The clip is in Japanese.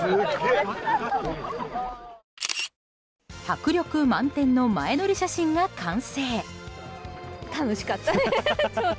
迫力満点の前撮り写真が完成。